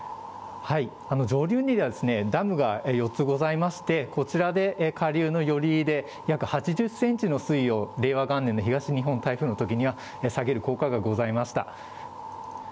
上流にはダムが４つございまして、こちらで下流の寄居で約８０センチの水位を、令和元年の東日本台風のときには、下げる効果がございました。